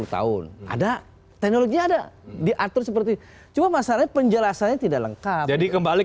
sepuluh tahun ada teknologi ada diatur seperti cuma masalahnya penjelasannya tidak lengkap jadi kembali